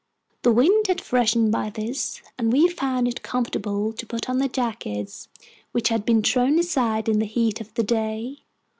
The wind had freshened by this, and we found it comfortable to put on the jackets which had been thrown aside in the heat of the day.